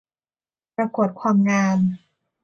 ประกวดความงาม